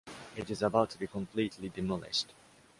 It is about to be completely demolished.